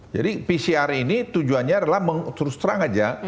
jadi pcr ini tujuannya adalah terus terang aja